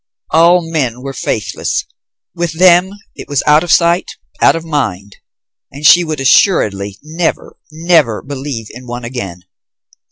All men were faithless. With them, it was out of sight, out of mind, and she would assuredly never, never believe in one again.